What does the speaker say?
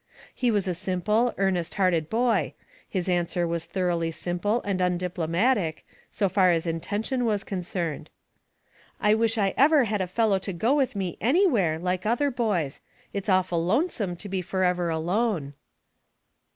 He was a simple, earnest hearted boy, his answer was thoroughly simple and undiplomatic, so far as intention was concerned. "I wish I ever had a fellow to go with me anywhere, like other boys. It's awful lonesome to be forever alone."